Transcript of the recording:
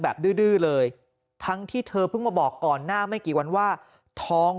ดื้อเลยทั้งที่เธอเพิ่งมาบอกก่อนหน้าไม่กี่วันว่าท้อง